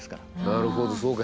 なるほどそうか。